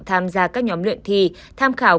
tham gia các nhóm luyện thi tham khảo